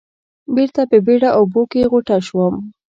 بېرته په بېړه اوبو کې غوټه شوم.